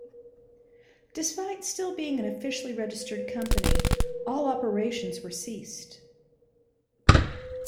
Despite still being an officially registered company, all operations were ceased.